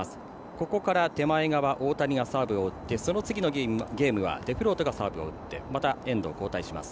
ここから大谷がサーブを打ってその次のゲームはデフロートがサーブを打ってまた、エンドを交代します。